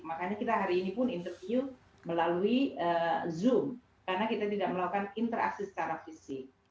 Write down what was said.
makanya kita hari ini pun interview melalui zoom karena kita tidak melakukan interaksi secara fisik